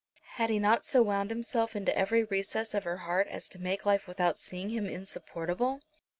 Had he not so wound himself into every recess of her heart as to make life without seeing him insupportable?